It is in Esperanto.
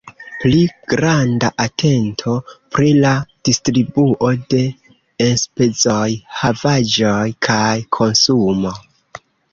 Pli granda atento pri la distribuo de enspezoj, havaĵoj kaj konsumo.